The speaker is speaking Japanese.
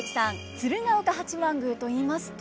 鶴岡八幡宮といいますと。